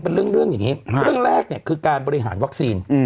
เป็นเรื่องอย่างนี้เรื่องแรกเนี่ยคือการบริหารวัคซีน